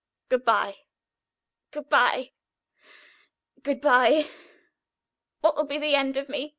Good bye, good bye, good bye! What will be the end of me?